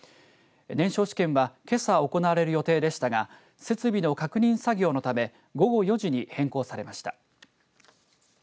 燃焼試験はけさ行われる予定でしたが設備の確認作業のため午後４時に変更されました。